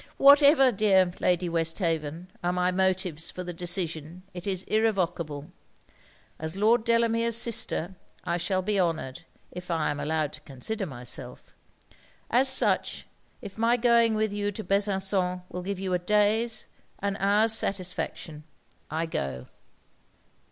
'Whatever, dear Lady Westhaven, are my motives for the decision, it is irrevocable; as Lord Delamere's sister, I shall be honoured, if I am allowed to consider myself. As such, if my going with you to Besançon will give you a day's an hour's satisfaction, I go.'